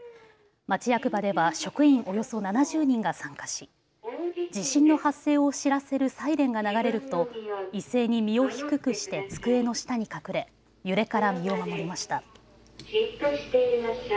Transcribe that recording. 町役場では職員およそ７０人が参加し地震の発生を知らせるサイレンが流れると一斉に身を低くして机の下に隠れ揺れから身を守りました。